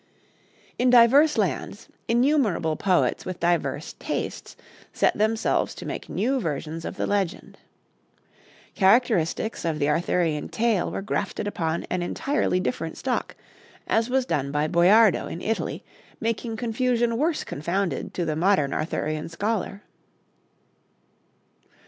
In divers lands, innumerable poets with diverse tastes set themselves to make new versions of the legend. Characteristics of the Arthurian tale were grafted upon an entirely different stock, as was done by Boiardo in Italy, making confusion worse confounded to the modern Arthurian scholar.